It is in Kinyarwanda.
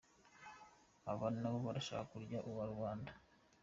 aba nabo barashaka kurya uwa rubanda.